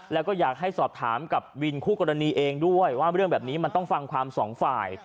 แล้วก็อยากให้สอบถามกับวินคู่กรณีเองด้วยว่าเรื่องแบบนี้มันต้องฟังความสองฝ่าย